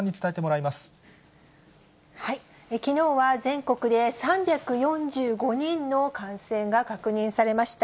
きのうは全国で３４５人の感染が確認されました。